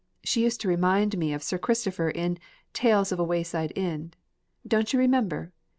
She used to remind me of Sir Christopher in 'Tales of a Wayside Inn.' Don't you remember?